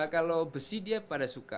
kalau besi dia pada suka